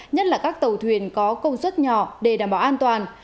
nhất là các tàu thuyền có công suất nhỏ để đảm bảo an toàn